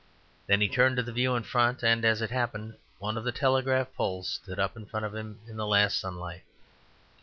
Then he turned to the view in front; and, as it happened, one of the telegraph posts stood up in front of him in the last sunlight.